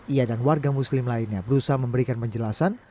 ia dan warga muslim lainnya berusaha memberikan penjelasan